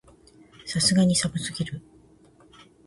さすがに寒すぎる